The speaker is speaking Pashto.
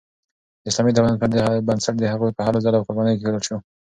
د اسلامي تمدن بنسټ د هغوی په هلو ځلو او قربانیو کیښودل شو.